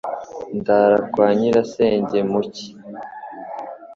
Ndara kwa nyirasenge mu cyi.